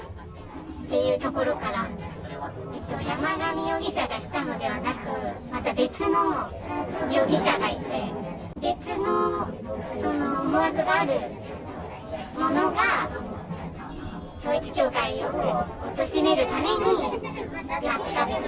っていうところから、山上容疑者がしたのではなく、また別の容疑者がいて、別の思惑がある者が、統一教会をおとしめるためにやったって。